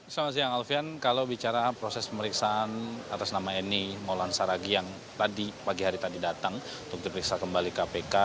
selamat siang alfian kalau bicara proses pemeriksaan atas nama eni maulan saragi yang tadi pagi hari tadi datang untuk diperiksa kembali kpk